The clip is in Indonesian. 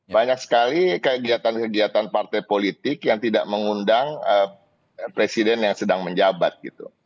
banyak sekali kegiatan kegiatan partai politik yang tidak mengundang presiden yang sedang menjabat gitu